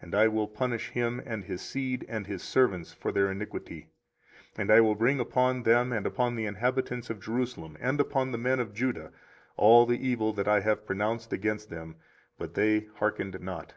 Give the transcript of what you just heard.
24:036:031 And I will punish him and his seed and his servants for their iniquity; and I will bring upon them, and upon the inhabitants of Jerusalem, and upon the men of Judah, all the evil that I have pronounced against them; but they hearkened not.